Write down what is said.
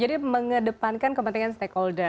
jadi mengedepankan kepentingan stakeholder